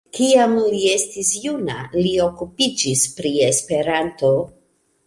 Kiam li estis juna, li okupiĝis pri Esperanto.